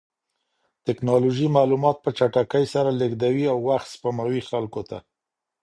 ټکنالوژي معلومات په چټکۍ سره لېږدوي او وخت سپموي خلکو ته.